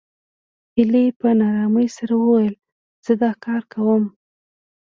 هيلې په نا آرامۍ سره وويل زه دا کار کوم